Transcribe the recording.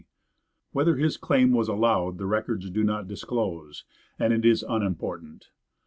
Whether his claim was allowed the records do not disclose, and it is unimportant.